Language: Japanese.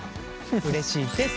うれしいです。